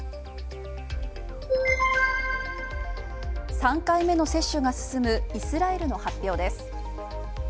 ３回目の接種が進むイスラエルの発表です。